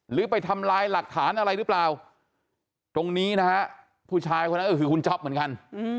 หรือไปทำลายหลักฐานอะไรหรือเปล่าตรงนี้นะฮะผู้ชายคนนั้นก็คือคุณจ๊อปเหมือนกัน